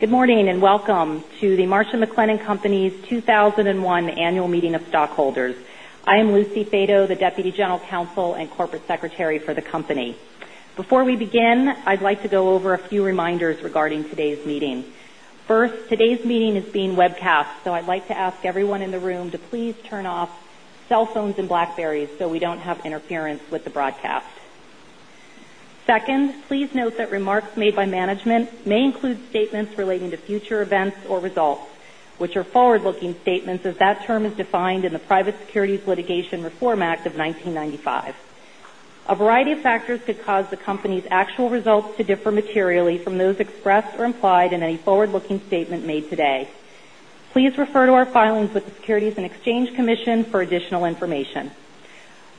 Good morning, welcome to Marsh & McLennan Companies 2021 annual meeting of stockholders. I am Lucy Fato, the deputy general counsel and corporate secretary for the company. Before we begin, I'd like to go over a few reminders regarding today's meeting. First, today's meeting is being webcast, so I'd like to ask everyone in the room to please turn off cell phones and BlackBerry so we don't have interference with the broadcast. Second, please note that remarks made by management may include statements relating to future events or results, which are forward-looking statements as that term is defined in the Private Securities Litigation Reform Act of 1995. A variety of factors could cause the company's actual results to differ materially from those expressed or implied in any forward-looking statement made today. Please refer to our filings with the Securities and Exchange Commission for additional information.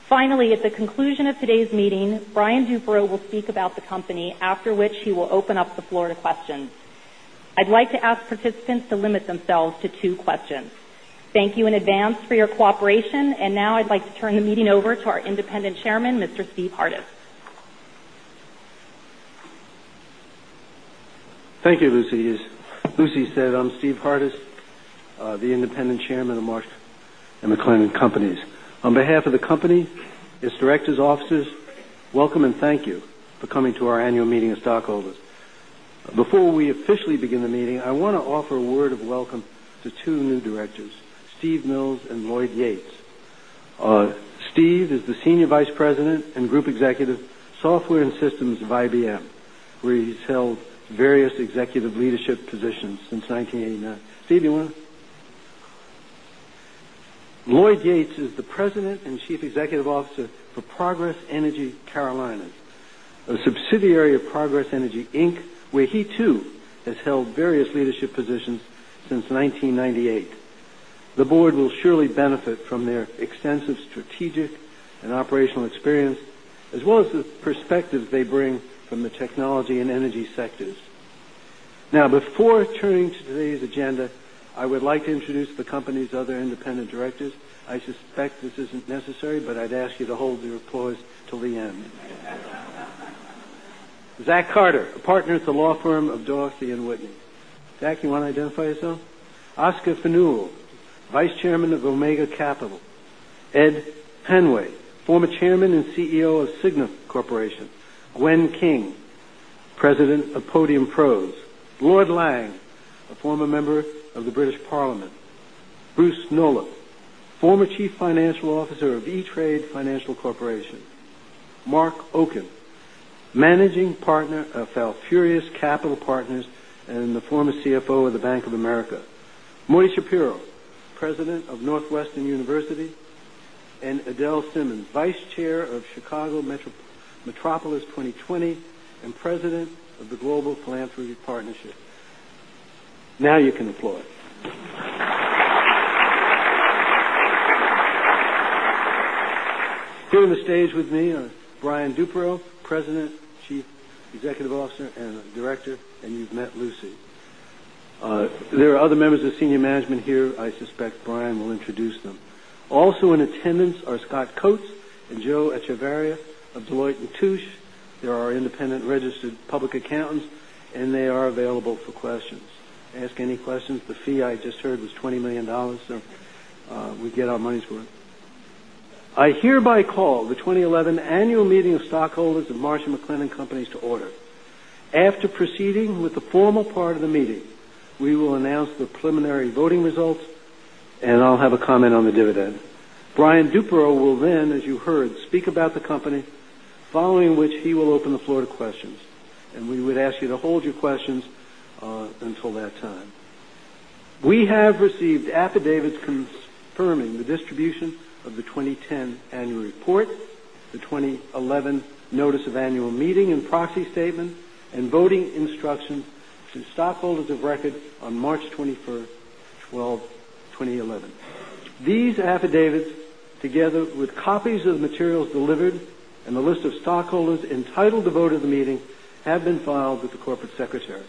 Finally, at the conclusion of today's meeting, Brian Duperrault will speak about the company, after which he will open up the floor to questions. I'd like to ask participants to limit themselves to two questions. Thank you in advance for your cooperation. Now I'd like to turn the meeting over to our independent chairman, Mr. Steve Hardis. Thank you, Lucy. As Lucy said, I'm Steve Hardis, the independent chairman of Marsh & McLennan Companies. On behalf of the company, its directors, officers, welcome and thank you for coming to our annual meeting of stockholders. Before we officially begin the meeting, I want to offer a word of welcome to two new directors, Steve Mills and Lloyd Yates. Steve is the senior vice president and group executive, software and systems of IBM, where he's held various executive leadership positions since 1989. Steve, you want to? Lloyd Yates is the president and chief executive officer for Progress Energy Carolinas, a subsidiary of Progress Energy, Inc., where he, too, has held various leadership positions since 1998. The board will surely benefit from their extensive strategic and operational experience, as well as the perspectives they bring from the technology and energy sectors. Now, before turning to today's agenda, I would like to introduce the company's other independent directors. I suspect this isn't necessary, but I'd ask you to hold your applause till the end. Zach Carter, a partner at the law firm of Dorsey & Whitney. Zach, you want to identify yourself? Oscar Fanjul, vice chairman of Omega Capital. Ed Hanway, former chairman and CEO of Cigna Corporation. Gwen King, president of Podium Pros. Lord Lang, a former member of the British Parliament. Bruce Nolop, former chief financial officer of E*TRADE FINANCIAL Corporation. Marc Oken, managing partner of Falfurrias Capital Partners and the former CFO of the Bank of America. Morton Schapiro, president of Northwestern University, and Adele Simmons, vice chair of Chicago Metropolis 2020 and president of the Global Philanthropy Partnership. Now you can applaud. Here on the stage with me are Brian Duperrault, President, Chief Executive Officer, and Director, and you've met Lucy. There are other members of senior management here. I suspect Brian will introduce them. Also in attendance are Scott Coates and Joe Echevarria of Deloitte & Touche. They're our independent registered public accountants, and they are available for questions. Ask any questions. The fee I just heard was $20 million, so we get our money's worth. I hereby call the 2011 annual meeting of stockholders of Marsh & McLennan Companies to order. After proceeding with the formal part of the meeting, we will announce the preliminary voting results, and I'll have a comment on the dividend. Brian Duperrault will then, as you heard, speak about the company, following which he will open the floor to questions, and we would ask you to hold your questions until that time. We have received affidavits confirming the distribution of the 2010 annual report, the 2011 notice of annual meeting and proxy statement, and voting instructions to stockholders of record on March 21st, 2011. These affidavits, together with copies of the materials delivered and the list of stockholders entitled to vote at the meeting, have been filed with the corporate secretary.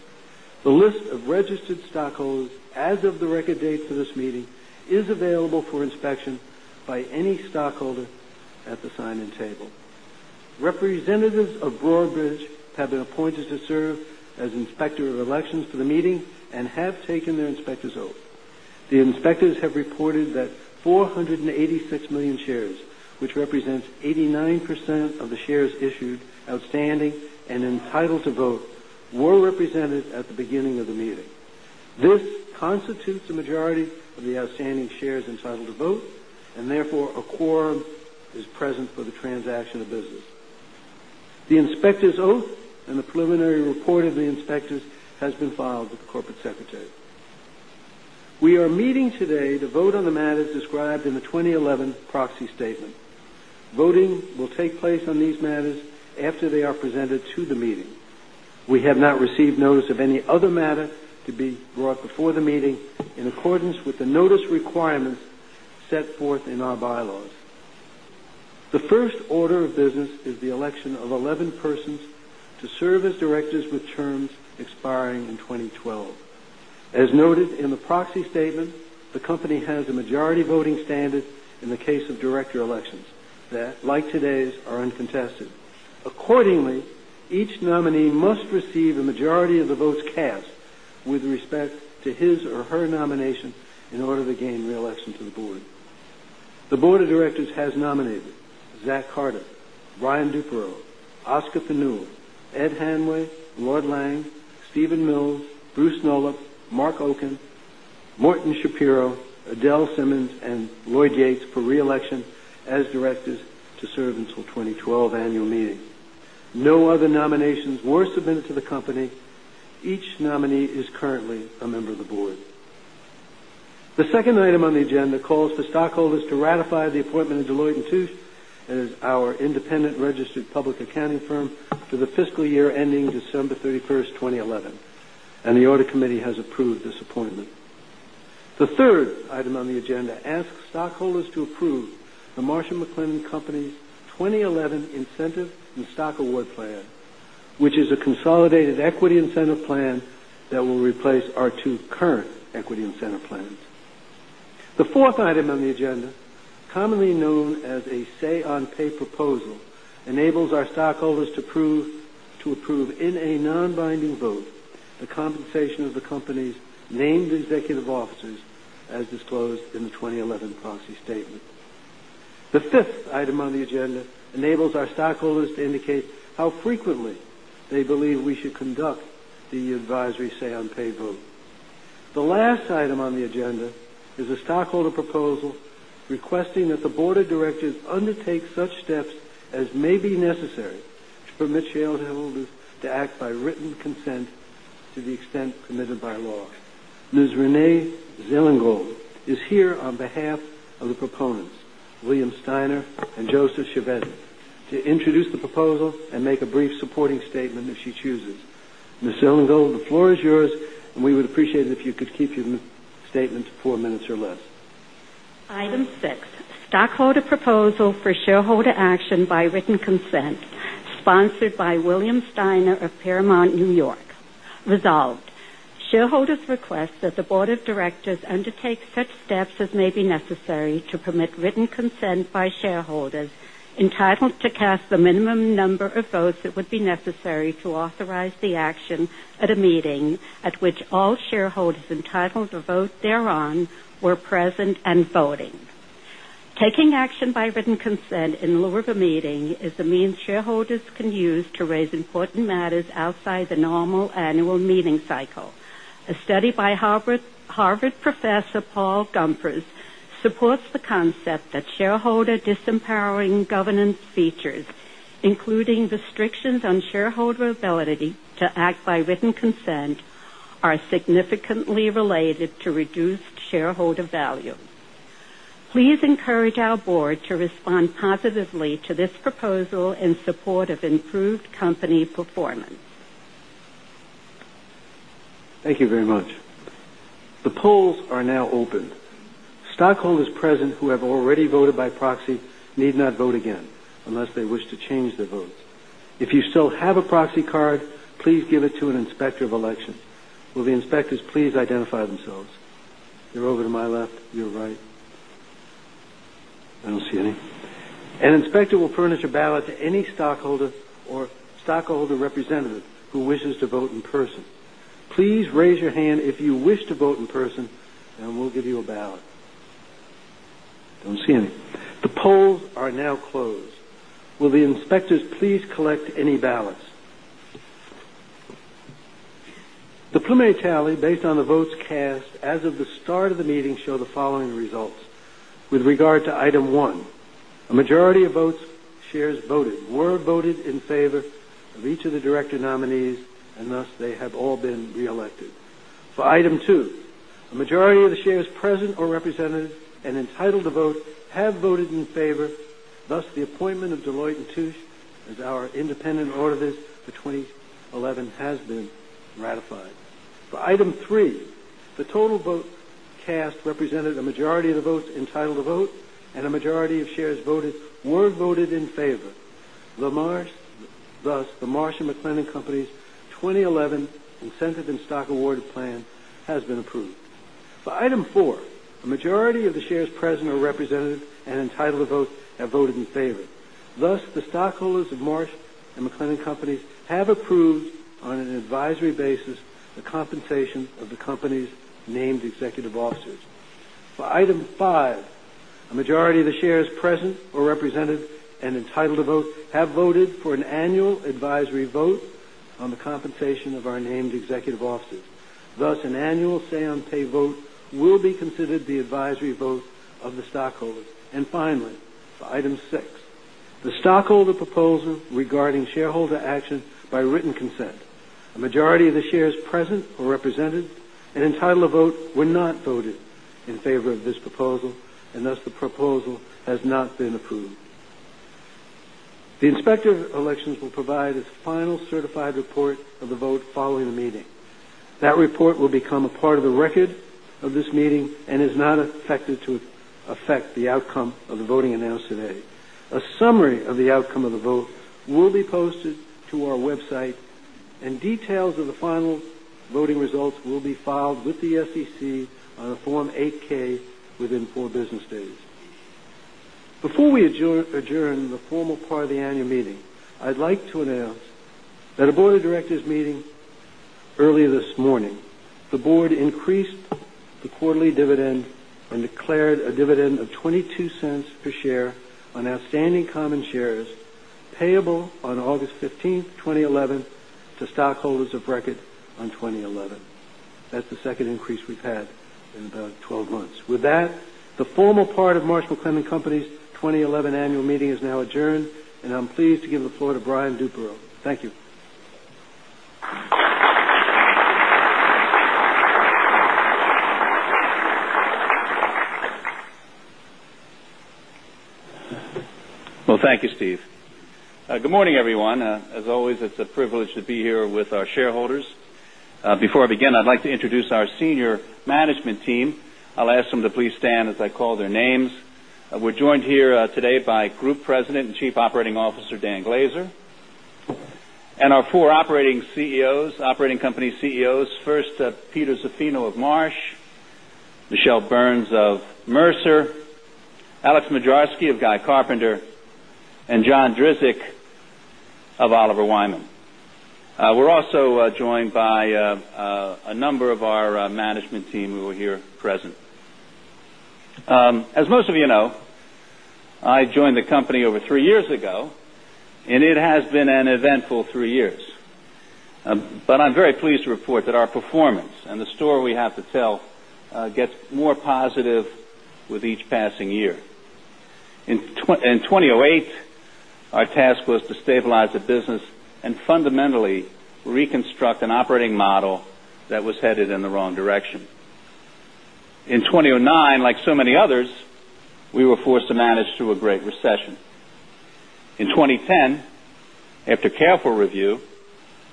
The list of registered stockholders as of the record date for this meeting is available for inspection by any stockholder at the sign-in table. Representatives of Broadridge have been appointed to serve as inspector of elections for the meeting and have taken their inspector's oath. The inspectors have reported that 486 million shares, which represents 89% of the shares issued, outstanding, and entitled to vote, were represented at the beginning of the meeting. This constitutes a majority of the outstanding shares entitled to vote, and therefore, a quorum is present for the transaction of business. The inspector's oath and the preliminary report of the inspectors has been filed with the corporate secretary. We are meeting today to vote on the matters described in the 2011 proxy statement. Voting will take place on these matters after they are presented to the meeting. We have not received notice of any other matter to be brought before the meeting in accordance with the notice requirements set forth in our bylaws. The first order of business is the election of 11 persons to serve as directors with terms expiring in 2012. As noted in the proxy statement, the company has a majority voting standard in the case of director elections that, like today's, are uncontested. Accordingly, each nominee must receive a majority of the votes cast with respect to his or her nomination in order to gain re-election to the board. The board of directors has nominated Zachary Carter, Brian Duperrault, Oscar Fanjul, Ed Hanway, Lord Lang, Steve Mills, Bruce Nolop, Marc Oken, Morton Schapiro, Adele Simmons, and Lloyd Yates for re-election as directors to serve until 2012 annual meetings. No other nominations were submitted to the company. Each nominee is currently a member of the board. The second item on the agenda calls for stockholders to ratify the appointment of Deloitte & Touche as our independent registered public accounting firm for the fiscal year ending December 31st, 2011, and the audit committee has approved this appointment. The third item on the agenda asks stockholders to approve the Marsh & McLennan Companies, Inc. 2011 Incentive and Stock Award Plan, which is a consolidated equity incentive plan that will replace our two current equity incentive plans. The fourth item on the agenda, commonly known as a say-on-pay proposal, enables our stockholders to approve in a non-binding vote, the compensation of the company's named executive officers as disclosed in the 2011 proxy statement. The fifth item on the agenda enables our stockholders to indicate how frequently they believe we should conduct the advisory say-on-pay vote. The last item on the agenda is a stockholder proposal requesting that the board of directors undertake such steps as may be necessary to permit shareholders to act by written consent to the extent permitted by law. Ms. Renee Zillingove is here on behalf of the proponents, William Steiner and Joseph Chiavetta, to introduce the proposal and make a brief supporting statement if she chooses. Ms. Zillingove, the floor is yours, and we would appreciate it if you could keep your statements four minutes or less. Item six, stockholder proposal for shareholder action by written consent, sponsored by William Steiner of Paramount, New York. Resolved, shareholders request that the board of directors undertake such steps as may be necessary to permit written consent by shareholders entitled to cast the minimum number of votes that would be necessary to authorize the action at a meeting at which all shareholders entitled to vote thereon were present and voting. Taking action by written consent in lieu of a meeting is a means shareholders can use to raise important matters outside the normal annual meeting cycle. A study by Harvard University Professor Paul Gompers supports the concept that shareholder disempowering governance features, including restrictions on shareholder ability to act by written consent, are significantly related to reduced shareholder value. Please encourage our board to respond positively to this proposal in support of improved company performance. Thank you very much. The polls are now open. Stockholders present who have already voted by proxy need not vote again unless they wish to change their vote. If you still have a proxy card, please give it to an inspector of elections. Will the inspectors please identify themselves? They're over to my left, your right. I don't see any. An inspector will furnish a ballot to any stockholder or stockholder representative who wishes to vote in person. Please raise your hand if you wish to vote in person, and we'll give you a ballot. Don't see any. The polls are now closed. Will the inspectors please collect any ballots? The preliminary tally based on the votes cast as of the start of the meeting show the following results. With regard to item one, a majority of votes shares voted were voted in favor of each of the director nominees, and thus they have all been re-elected. For item two, a majority of the shares present or represented and entitled to vote have voted in favor. Thus, the appointment of Deloitte & Touche as our independent auditors for 2011 has been ratified. For item three, the total votes cast represented a majority of the votes entitled to vote, and a majority of shares voted were voted in favor. Thus, the Marsh & McLennan Companies' 2011 Incentive and Stock Award Plan has been approved. For item four, a majority of the shares present or represented and entitled to vote have voted in favor. Thus, the stockholders of Marsh & McLennan Companies have approved, on an advisory basis, the compensation of the company's named executive officers. For item five, a majority of the shares present or represented and entitled to vote have voted for an annual advisory vote on the compensation of our named executive officers. Thus, an annual say-on-pay vote will be considered the advisory vote of the stockholders. Finally, for item six, the stockholder proposal regarding shareholder action by written consent. A majority of the shares present or represented and entitled to vote were not voted in favor of this proposal, and thus the proposal has not been approved. The inspector of elections will provide its final certified report of the vote following the meeting. That report will become a part of the record of this meeting and is not affected to affect the outcome of the voting announced today. A summary of the outcome of the vote will be posted to our website, and details of the final voting results will be filed with the SEC on a Form 8-K within four business days. Before we adjourn the formal part of the annual meeting, I'd like to announce that at a board of directors meeting earlier this morning, the board increased the quarterly dividend and declared a dividend of $0.22 per share on outstanding common shares, payable on August 15th, 2011, to stockholders of record on 2011. That's the second increase we've had in about 12 months. With that, the formal part of Marsh & McLennan Companies' 2011 annual meeting is now adjourned, and I'm pleased to give the floor to Brian Duperreault. Thank you. Well, thank you, Steve. Good morning, everyone. As always, it's a privilege to be here with our shareholders. Before I begin, I'd like to introduce our senior management team. I'll ask them to please stand as I call their names. We're joined here today by Group President and Chief Operating Officer, Dan Glaser, and our four operating company CEOs. First, Peter Zaffino of Marsh, Michele Burns of Mercer, Alex Moczarski of Guy Carpenter, and John Drzik of Oliver Wyman. We're also joined by a number of our management team who are here present. As most of you know, I joined the company over three years ago, and it has been an eventful three years. I'm very pleased to report that our performance and the story we have to tell gets more positive with each passing year. In 2008, our task was to stabilize the business and fundamentally reconstruct an operating model that was headed in the wrong direction. In 2009, like so many others, we were forced to manage through a great recession. In 2010, after careful review,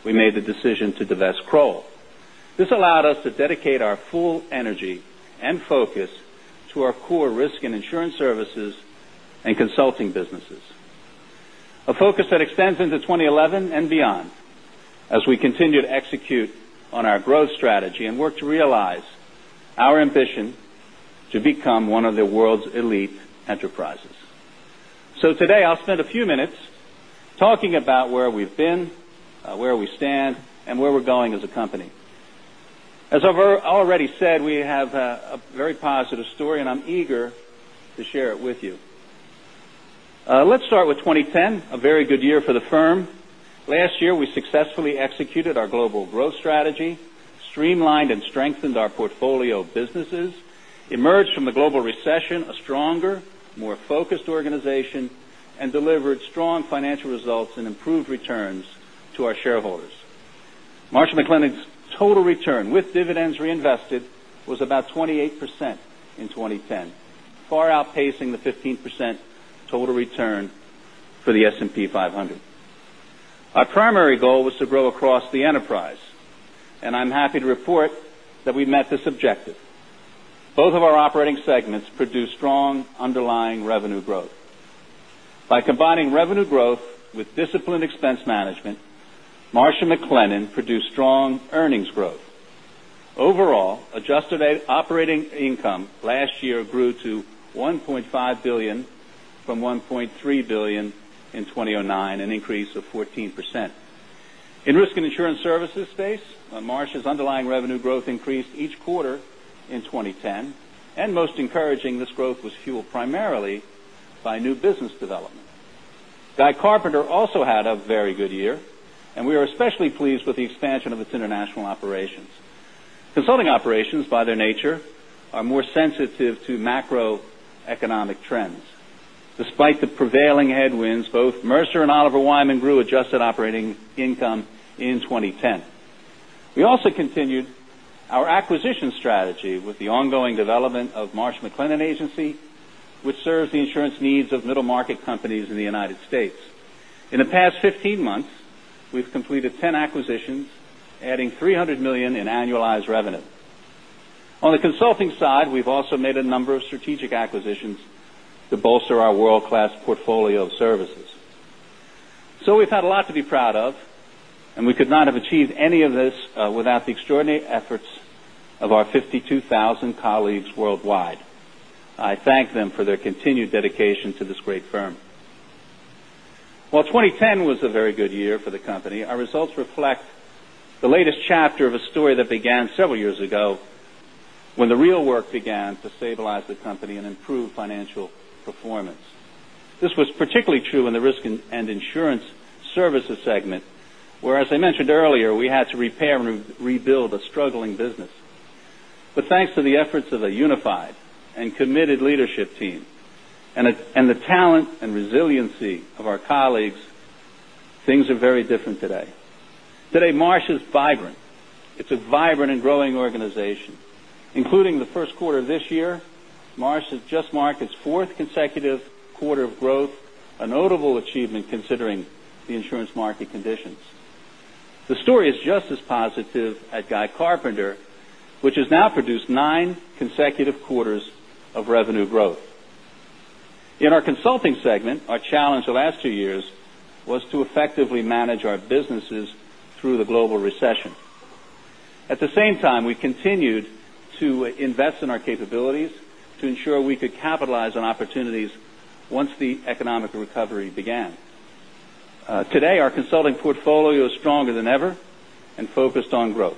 we made the decision to divest Kroll. This allowed us to dedicate our full energy and focus to our core risk and insurance services and consulting businesses. A focus that extends into 2011 and beyond, as we continue to execute on our growth strategy and work to realize our ambition to become one of the world's elite enterprises. Today, I'll spend a few minutes talking about where we've been, where we stand, and where we're going as a company. As I've already said, we have a very positive story, and I'm eager to share it with you. Let's start with 2010, a very good year for the firm. Last year, we successfully executed our global growth strategy, streamlined and strengthened our portfolio of businesses, emerged from the global recession a stronger, more focused organization, and delivered strong financial results and improved returns to our shareholders. Marsh & McLennan's total return, with dividends reinvested, was about 28% in 2010, far outpacing the 15% total return for the S&P 500. Our primary goal was to grow across the enterprise, and I'm happy to report that we met this objective. Both of our operating segments produced strong underlying revenue growth. By combining revenue growth with disciplined expense management, Marsh & McLennan produced strong earnings growth. Overall, adjusted operating income last year grew to $1.5 billion from $1.3 billion in 2009, an increase of 14%. In risk and insurance services space, Marsh's underlying revenue growth increased each quarter in 2010, and most encouraging, this growth was fueled primarily by new business development. Guy Carpenter also had a very good year, and we are especially pleased with the expansion of its international operations. Consulting operations, by their nature, are more sensitive to macroeconomic trends. Despite the prevailing headwinds, both Mercer and Oliver Wyman grew adjusted operating income in 2010. We also continued our acquisition strategy with the ongoing development of Marsh McLennan Agency, which serves the insurance needs of middle-market companies in the U.S. In the past 15 months, we've completed 10 acquisitions, adding $300 million in annualized revenue. On the consulting side, we've also made a number of strategic acquisitions to bolster our world-class portfolio of services. We've had a lot to be proud of, and we could not have achieved any of this without the extraordinary efforts of our 52,000 colleagues worldwide. I thank them for their continued dedication to this great firm. While 2010 was a very good year for the company, our results reflect the latest chapter of a story that began several years ago when the real work began to stabilize the company and improve financial performance. This was particularly true in the risk and insurance services segment, where, as I mentioned earlier, we had to repair and rebuild a struggling business. Thanks to the efforts of a unified and committed leadership team and the talent and resiliency of our colleagues, things are very different today. Today, Marsh is vibrant. It's a vibrant and growing organization. Including the first quarter of this year, Marsh has just marked its fourth consecutive quarter of growth, a notable achievement considering the insurance market conditions. The story is just as positive at Guy Carpenter, which has now produced nine consecutive quarters of revenue growth. In our consulting segment, our challenge the last two years was to effectively manage our businesses through the global recession. At the same time, we continued to invest in our capabilities to ensure we could capitalize on opportunities once the economic recovery began. Today, our consulting portfolio is stronger than ever and focused on growth.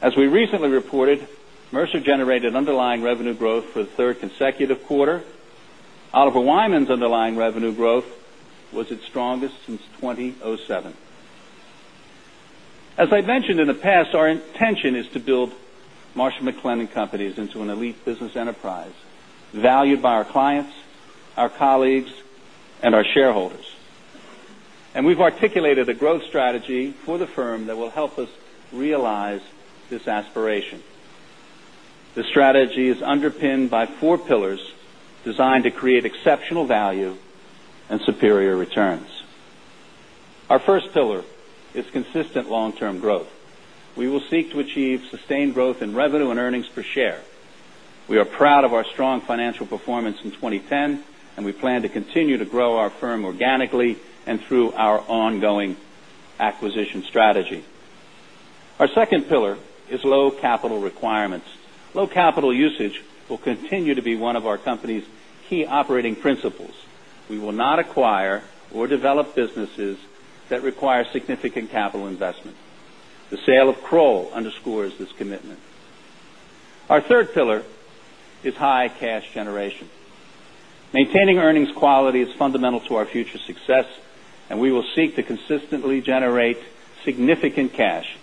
As we recently reported, Mercer generated underlying revenue growth for the third consecutive quarter. Oliver Wyman's underlying revenue growth was its strongest since 2007. As I've mentioned in the past, our intention is to build Marsh & McLennan Companies into an elite business enterprise valued by our clients, our colleagues, and our shareholders. We've articulated a growth strategy for the firm that will help us realize this aspiration. The strategy is underpinned by four pillars designed to create exceptional value and superior returns. Our first pillar is consistent long-term growth. We will seek to achieve sustained growth in revenue and earnings per share. We are proud of our strong financial performance in 2010, and we plan to continue to grow our firm organically and through our ongoing acquisition strategy. Our second pillar is low capital requirements. Low capital usage will continue to be one of our company's key operating principles. We will not acquire or develop businesses that require significant capital investment. The sale of Kroll underscores this commitment. Our third pillar is high cash generation. Maintaining earnings quality is fundamental to our future success, and we will seek to consistently generate significant cash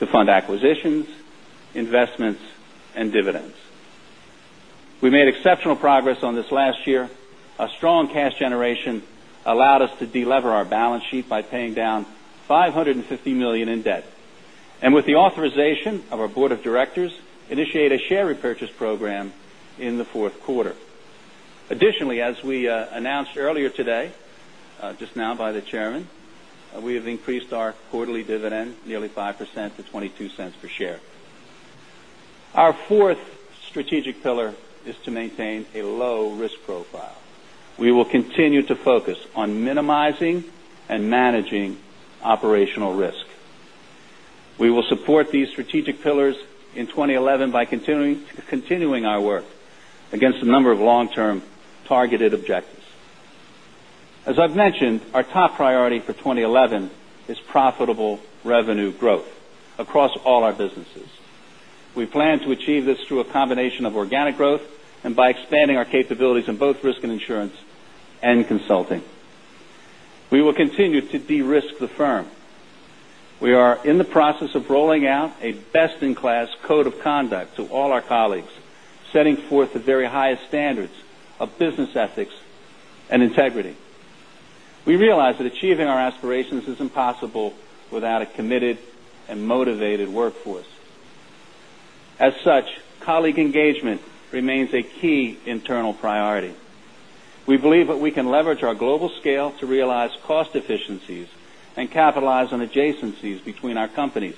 to fund acquisitions, investments, and dividends. We made exceptional progress on this last year. A strong cash generation allowed us to de-lever our balance sheet by paying down $550 million in debt. With the authorization of our board of directors, initiate a share repurchase program in the fourth quarter. Additionally, as we announced earlier today, just now by the chairman, we have increased our quarterly dividend nearly 5% to $0.22 per share. Our fourth strategic pillar is to maintain a low-risk profile. We will continue to focus on minimizing and managing operational risk. We will support these strategic pillars in 2011 by continuing our work against a number of long-term targeted objectives. As I've mentioned, our top priority for 2011 is profitable revenue growth across all our businesses. We plan to achieve this through a combination of organic growth and by expanding our capabilities in both risk and insurance and consulting. We will continue to de-risk the firm. We are in the process of rolling out a best-in-class code of conduct to all our colleagues, setting forth the very highest standards of business ethics and integrity. We realize that achieving our aspirations is impossible without a committed and motivated workforce. As such, colleague engagement remains a key internal priority. We believe that we can leverage our global scale to realize cost efficiencies and capitalize on adjacencies between our companies.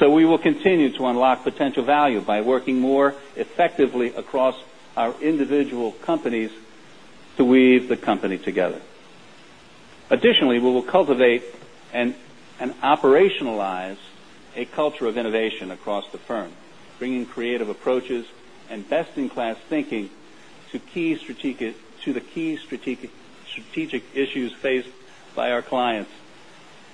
We will continue to unlock potential value by working more effectively across our individual companies to weave the company together. We will cultivate and operationalize a culture of innovation across the firm, bringing creative approaches and best-in-class thinking to the key strategic issues faced by our clients.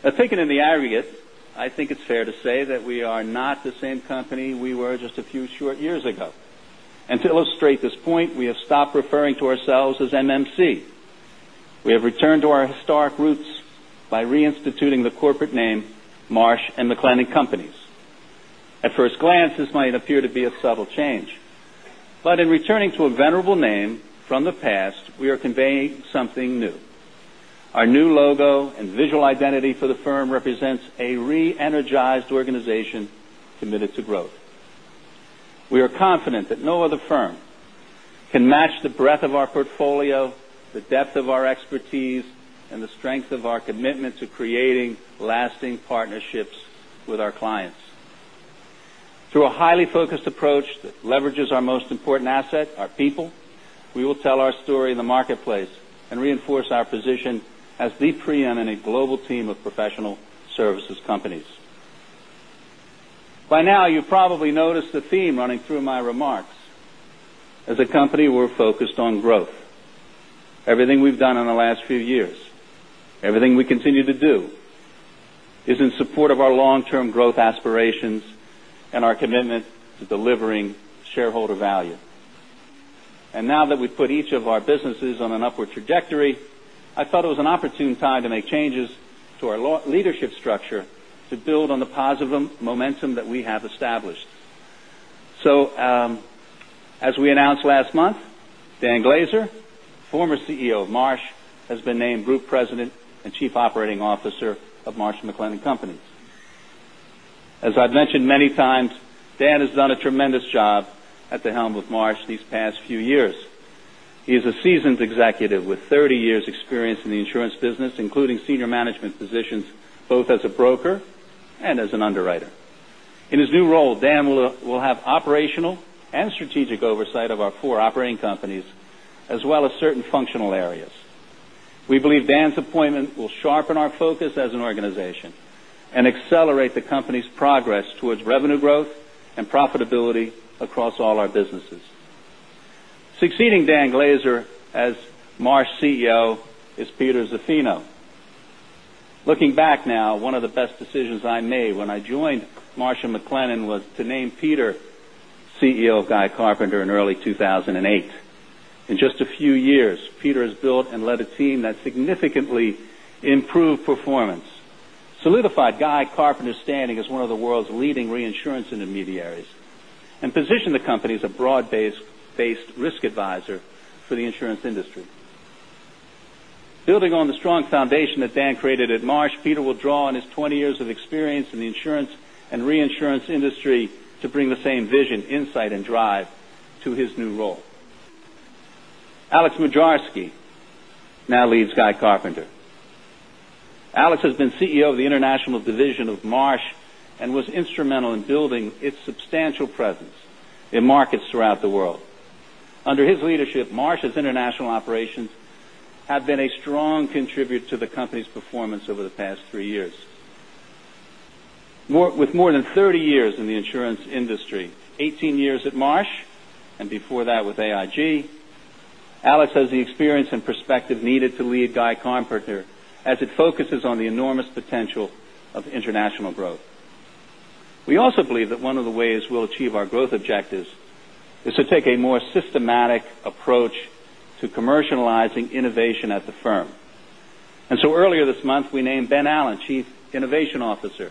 Now, taken in the aggregate, I think it's fair to say that we are not the same company we were just a few short years ago. To illustrate this point, we have stopped referring to ourselves as MMC. We have returned to our historic roots by reinstituting the corporate name, Marsh & McLennan Companies. At first glance, this might appear to be a subtle change. But in returning to a venerable name from the past, we are conveying something new. Our new logo and visual identity for the firm represents a re-energized organization committed to growth. We are confident that no other firm can match the breadth of our portfolio, the depth of our expertise, and the strength of our commitment to creating lasting partnerships with our clients. Through a highly focused approach that leverages our most important asset, our people, we will tell our story in the marketplace and reinforce our position as the preeminent global team of professional services companies. You've probably noticed a theme running through my remarks. As a company, we're focused on growth. Everything we've done in the last few years, everything we continue to do, is in support of our long-term growth aspirations and our commitment to delivering shareholder value. Now that we've put each of our businesses on an upward trajectory, I thought it was an opportune time to make changes to our leadership structure to build on the positive momentum that we have established. As we announced last month, Dan Glaser, former CEO of Marsh, has been named Group President and Chief Operating Officer of Marsh & McLennan Companies. As I've mentioned many times, Dan has done a tremendous job at the helm of Marsh these past few years. He is a seasoned executive with 30 years experience in the insurance business, including senior management positions, both as a broker and as an underwriter. In his new role, Dan will have operational and strategic oversight of our four operating companies, as well as certain functional areas. We believe Dan's appointment will sharpen our focus as an organization and accelerate the company's progress towards revenue growth and profitability across all our businesses. Succeeding Dan Glaser as Marsh CEO is Peter Zaffino. Looking back now, one of the best decisions I made when I joined Marsh & McLennan was to name Peter CEO of Guy Carpenter in early 2008. In just a few years, Peter has built and led a team that significantly improved performance, solidified Guy Carpenter's standing as one of the world's leading reinsurance intermediaries, and positioned the company as a broad-based risk advisor for the insurance industry. Building on the strong foundation that Dan created at Marsh, Peter will draw on his 20 years of experience in the insurance and reinsurance industry to bring the same vision, insight, and drive to his new role. Alex Moczarski now leads Guy Carpenter. Alex has been CEO of the international division of Marsh and was instrumental in building its substantial presence in markets throughout the world. Under his leadership, Marsh's international operations have been a strong contributor to the company's performance over the past three years. With more than 30 years in the insurance industry, 18 years at Marsh, and before that with AIG, Alex has the experience and perspective needed to lead Guy Carpenter as it focuses on the enormous potential of international growth. We also believe that one of the ways we will achieve our growth objectives is to take a more systematic approach to commercializing innovation at the firm. Earlier this month, we named Ben Allen Chief Innovation Officer.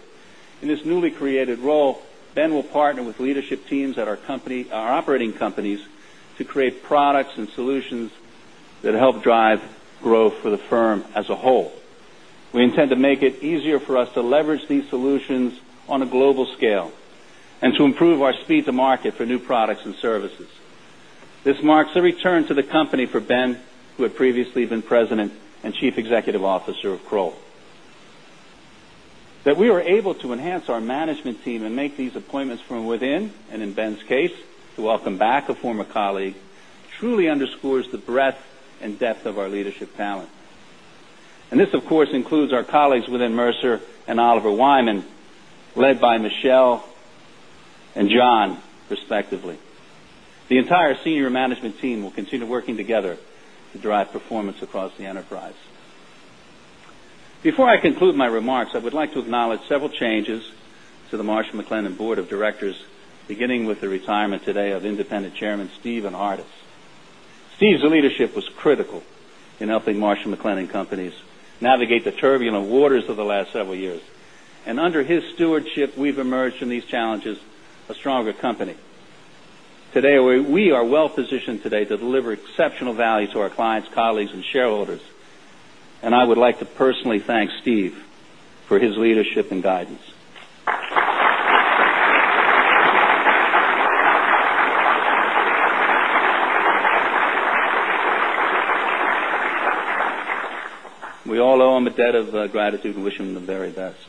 In his newly created role, Ben will partner with leadership teams at our operating companies to create products and solutions that help drive growth for the firm as a whole. We intend to make it easier for us to leverage these solutions on a global scale and to improve our speed to market for new products and services. This marks a return to the company for Ben, who had previously been President and Chief Executive Officer of Kroll. That we were able to enhance our management team and make these appointments from within, and in Ben's case, to welcome back a former colleague, truly underscores the breadth and depth of our leadership talent. This, of course, includes our colleagues within Mercer and Oliver Wyman, led by Michele and John, respectively. The entire senior management team will continue working together to drive performance across the enterprise. Before I conclude my remarks, I would like to acknowledge several changes to the Marsh & McLennan board of directors, beginning with the retirement today of Independent Chairman, Stephen Hardis. Steve's leadership was critical in helping Marsh & McLennan Companies navigate the turbulent waters of the last several years, under his stewardship, we have emerged from these challenges a stronger company. We are well-positioned today to deliver exceptional value to our clients, colleagues, and shareholders. I would like to personally thank Steve for his leadership and guidance. We all owe him a debt of gratitude. We wish him the very best.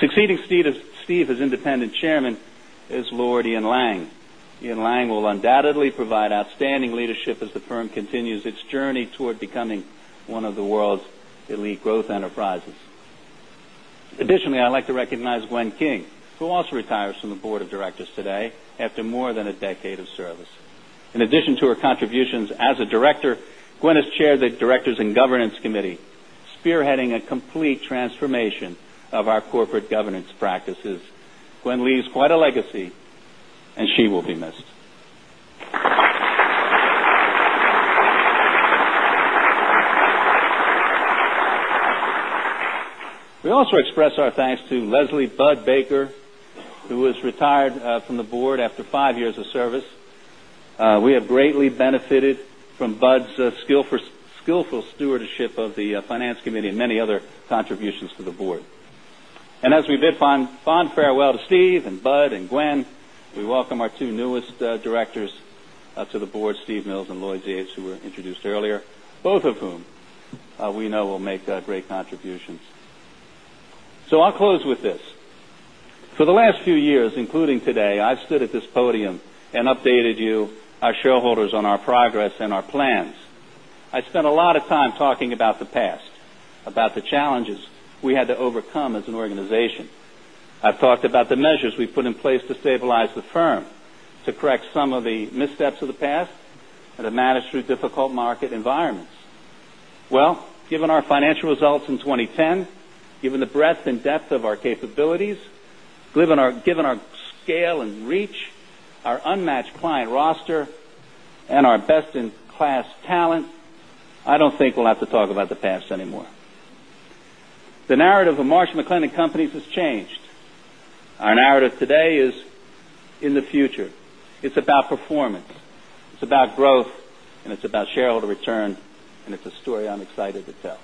Succeeding Steve as Independent Chairman is Lord Ian Lang. Ian Lang will undoubtedly provide outstanding leadership as the firm continues its journey toward becoming one of the world's elite growth enterprises. Additionally, I would like to recognize Gwen King, who also retires from the board of directors today after more than a decade of service. In addition to her contributions as a director, Gwen has chaired the directors and governance committee, spearheading a complete transformation of our corporate governance practices. Gwen leaves quite a legacy. She will be missed. We also express our thanks to Leslie Budd Baker, who has retired from the board after five years of service. We have greatly benefited from Budd's skillful stewardship of the finance committee and many other contributions to the board. As we bid fond farewell to Steve and Budd and Gwen, we welcome our two newest directors to the board, Steve Mills and Lloyd Yates, who were introduced earlier, both of whom we know will make great contributions. I will close with this. For the last few years, including today, I have stood at this podium and updated you, our shareholders, on our progress and our plans. I spent a lot of time talking about the past, about the challenges we had to overcome as an organization. I've talked about the measures we put in place to stabilize the firm, to correct some of the missteps of the past, and to manage through difficult market environments. Well, given our financial results in 2010, given the breadth and depth of our capabilities, given our scale and reach, our unmatched client roster, and our best-in-class talent, I don't think we'll have to talk about the past anymore. The narrative of Marsh & McLennan Companies has changed. Our narrative today is in the future. It's about performance, it's about growth, and it's about shareholder return, and it's a story I'm excited to tell.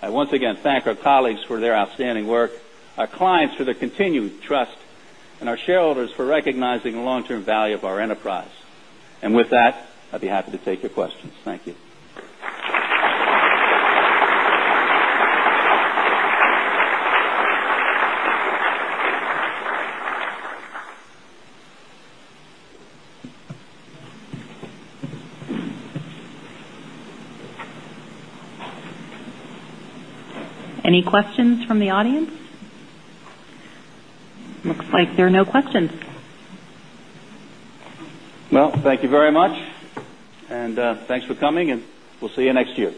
I once again thank our colleagues for their outstanding work, our clients for their continued trust, and our shareholders for recognizing the long-term value of our enterprise. With that, I'd be happy to take your questions. Thank you. Any questions from the audience? Looks like there are no questions. Well, thank you very much, thanks for coming, we'll see you next year.